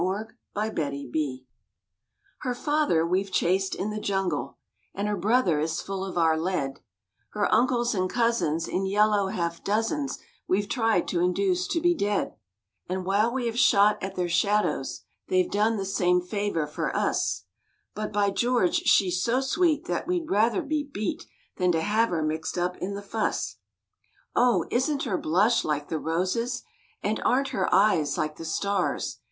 THE FILIPINO MAIDEN Her father we've chased in the jungle, And her brother is full of our lead; Her uncles and cousins In yellow half dozens We've tried to induce to be dead; And while we have shot at their shadows, They've done the same favor for us— But, by George, she's so sweet That we'd rather be beat Than to have her mixed up in the fuss. Oh! isn't her blush like the roses? And aren't her eyes like the stars?